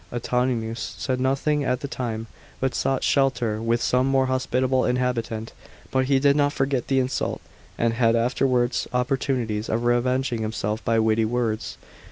Antoninus said nothing at the time, but sought shelter with some more hospitable inhabitant. But he did not forget the insult, and had afterw.irds opp rtunities of revenging himself by witty words.